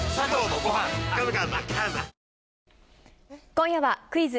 今夜は、クイズ！